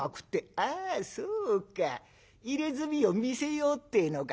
ああそうか入れ墨を見せようってえのか。